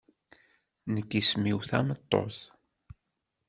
Nekk isem-iw tameṭṭut.